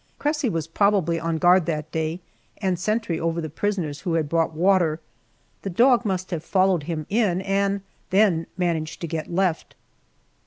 Cressy was probably on guard that day, and sentry over the prisoners who had brought water. The dog must have followed him in and then managed to get left.